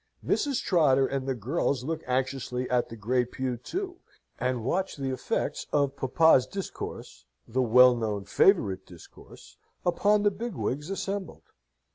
Mrs. Trotter and the girls look anxiously at the Great Pew too, and watch the effects of papa's discourse the well known favourite discourse upon the big wigs assembled.